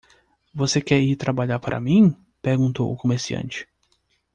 "Você quer ir trabalhar para mim?", Perguntou o comerciante.